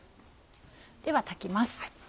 では炊きます。